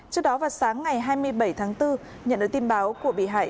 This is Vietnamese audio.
trước đó vào sáng ngày hai mươi bảy tháng bốn nhận được tin báo của bị hại